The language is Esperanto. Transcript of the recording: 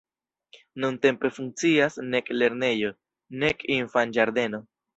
Nuntempe funkcias nek lernejo, nek infanĝardeno.